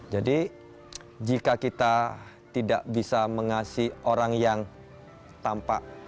jadi jika kita tidak bisa mengasih orang yang tanpa